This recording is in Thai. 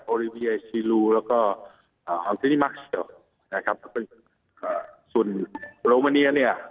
โอลิเวียแล้วก็เอ่อนะครับอ่าส่วนโรมาเนียเนี่ย